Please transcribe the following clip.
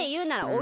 お！